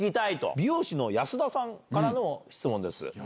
美容師の安田さんからの質問です。